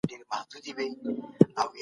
همکاري د خلګو ترمنځ د ورورولۍ روحیه پیدا کوي.